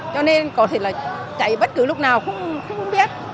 có thể là cháy bất cứ lúc nào cũng không biết